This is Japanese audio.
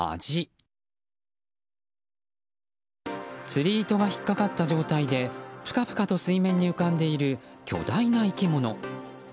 釣り糸が引っ掛かった状態でぷかぷかと水面に浮かんでいる巨大な生き物。